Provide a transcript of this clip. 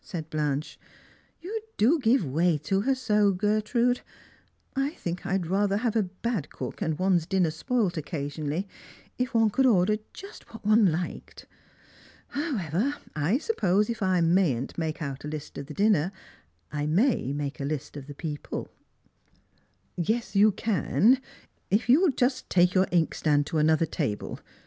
said Blanche. " You do give way to her so, Gertrude. I think I'd rather have a bad cook, and one's dinner spoilt occa sionally, if one could order just what one hked. However, I suppose, if I mayn't make out a hst of the dinner, I may make a list of the people P "" Yes, you can, if you'll take your inkstand to another table.